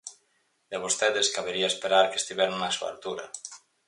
De vostedes cabería esperar que estiveran á súa altura.